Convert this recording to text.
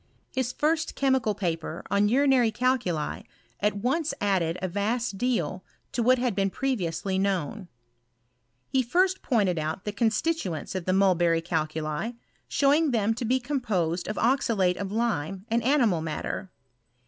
His first chemical paper* on urinary calculi at once added a vast deal to what had been previously known. He first pointed out the constituents of the mulberry calculi, showinr them to be composed of oxalate of lime and animid matter.